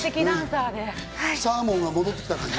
サーモンが戻ってきた感じ。